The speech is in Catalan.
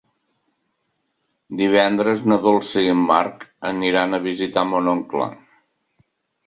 Divendres na Dolça i en Marc aniran a visitar mon oncle.